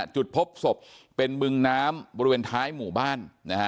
จุดพบศพเป็นบึงน้ำบริเวณท้ายหมู่บ้าน